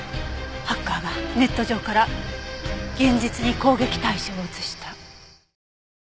ハッカーがネット上から現実に攻撃対象を移した。